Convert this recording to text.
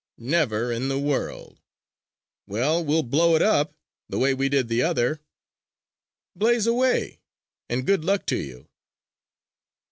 "Never in the world!" "Well, we'll blow it up, the way we did the other!" "Blaze away, and good luck to you!"